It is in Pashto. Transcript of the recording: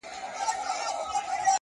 • د ماڼوګاڼو له اختیاره تللې ,